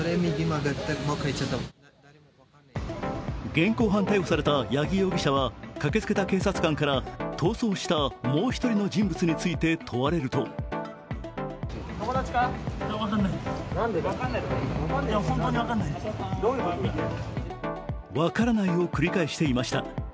現行犯逮捕された八木容疑者は駆けつけた警察官から逃走したもう１人の人物について問われると分からないを繰り返していました。